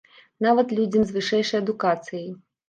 Нават людзям з вышэйшай адукацыяй.